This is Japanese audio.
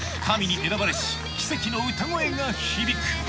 神に選ばれし奇跡の歌声が響く